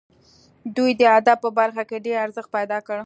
دوی د ادب په برخه کې ډېر ارزښت پیدا کړ.